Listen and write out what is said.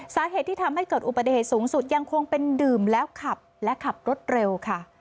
สาเหตุที่ทำให้เกิดอุบัติเหตุสูงสุดยังคงเป็นดื่มแล้วขับและขับรถเร็วค่ะ